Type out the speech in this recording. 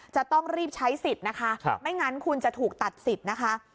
จะต้องรีบใช้สิทธิ์นะคะไม่งั้นคุณจะถูกตัดสิทธิ์นะคะ